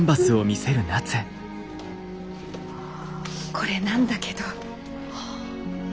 これなんだけど。